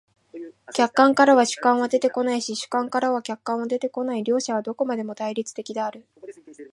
客観からは主観は出てこないし、主観からは客観は出てこない、両者はどこまでも対立的である。